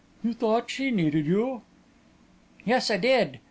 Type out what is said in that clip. "You thought she needed you?" "Yes, I did.